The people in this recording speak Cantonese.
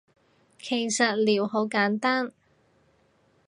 其實撩好簡單